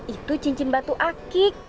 itu cincin batu akik